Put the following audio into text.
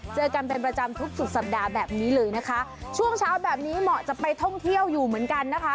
เจอกันเป็นประจำทุกสุดสัปดาห์แบบนี้เลยนะคะช่วงเช้าแบบนี้เหมาะจะไปท่องเที่ยวอยู่เหมือนกันนะคะ